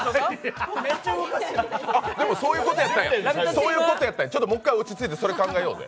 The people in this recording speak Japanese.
そうことやったんや、もう一回落ち着いて、それ考えようぜ。